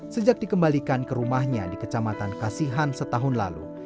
sejak dikembalikan ke rumahnya di kecamatan kasihan setahun lalu